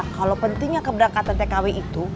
kalau pentingnya keberangkatan tkw itu